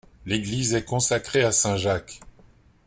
L'église est consacrée à saint Jacques.